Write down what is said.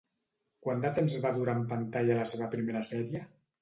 Quant de temps va durar en pantalla la seva primera sèrie?